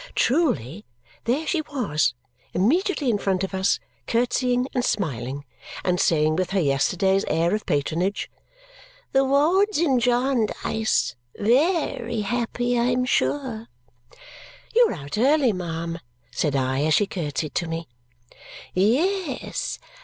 Truly, there she was, immediately in front of us, curtsying, and smiling, and saying with her yesterday's air of patronage, "The wards in Jarndyce! Ve ry happy, I am sure!" "You are out early, ma'am," said I as she curtsied to me. "Ye es!